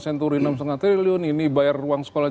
senturi enam lima triliun ini bayar uang sekolah